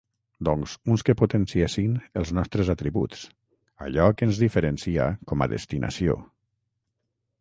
Doncs uns que potenciessin els nostres atributs, allò que ens diferencia com a destinació.